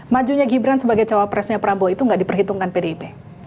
majunya gibran sebagai cawapresnya prabowo itu gak diperhitungkan pdip